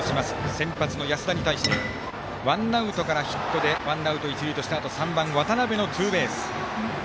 先発の安田に対してワンアウトからヒットでワンアウト、一塁としたあと３番、渡邊のツーベース。